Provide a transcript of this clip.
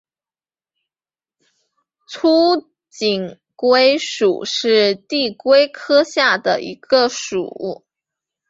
粗颈龟属是地龟科下的一个属。